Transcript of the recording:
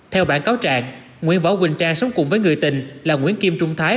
theo bản cáo trạng nguyễn võ quỳnh trang sống cùng với người tình là nguyễn kim trung thái